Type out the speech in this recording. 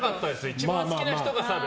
一番好きな人が澤部。